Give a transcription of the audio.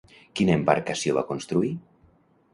Quina embarcació va construir?